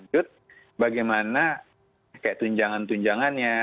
terus selanjutnya bagaimana tunjangan tunjangannya